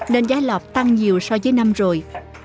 nên giá lọt tăng nhiều so với năm rồi